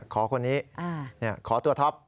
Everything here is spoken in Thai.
ขอคนนี้ขอตัวท็อป